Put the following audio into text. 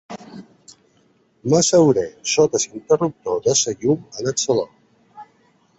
M'asseuré sota l'interruptor de la llum al saló.